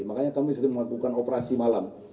makanya kami sering melakukan operasi malam